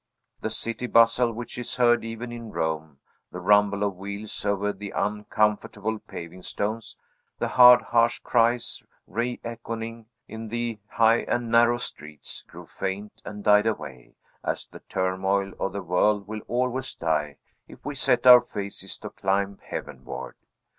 The city bustle, which is heard even in Rome, the rumble of wheels over the uncomfortable paving stones, the hard harsh cries reechoing in the high and narrow streets, grew faint and died away; as the turmoil of the world will always die, if we set our faces to climb heavenward.